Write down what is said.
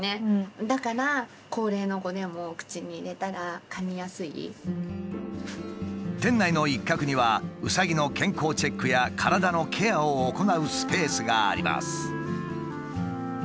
だから店内の一角にはうさぎの健康チェックや体のケアを行うスペースがあります。